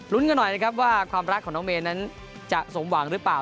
ลุ้นกันหน่อยว่าความรักของน้องเมนจะสมหวังหรือเปล่า